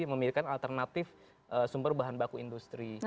memiliki alternatif sumber bahan baku industri